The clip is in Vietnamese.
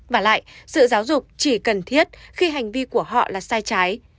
và lại sự giáo dục chỉ cần thiết khi hành vi của họ là sai trái